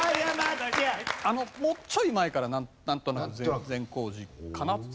もうちょい前からなんとなく善光寺かな。